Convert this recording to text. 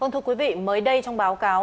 thưa quý vị mới đây trong báo cáo